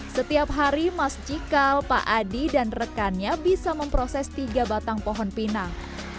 setiap hari mas cikal pak adi dan rekannya bisa memproses tiga batang pohon pinang